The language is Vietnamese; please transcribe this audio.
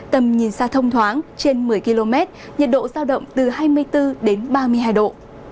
tầm nhìn xa thông thoáng trên một mươi km nhiệt độ giao động từ hai mươi bốn đến ba mươi hai độ